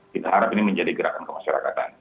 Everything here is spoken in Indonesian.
kita harap ini menjadi gerakan kemasyarakatan